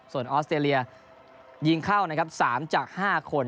ส่วนออสเตรเลียยิงเข้านะครับ๓จาก๕คน